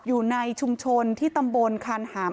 อยู่ในชุมชนที่ตำบลคานหาม